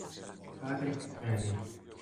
Patrick Rémy